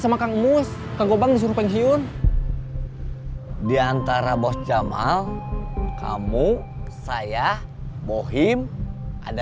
sama kang mus kang gubang disuruh pensiun diantara bos jamal kamu saya bohim ada